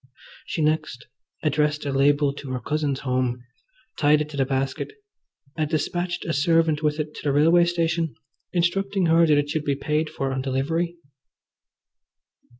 She next addressed a label to her cousin's home, tied it to the basket, and despatched a servant with it to the railway station, instructing her that it should be paid for on delivery.